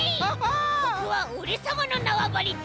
ここはおれさまのなわばりだ。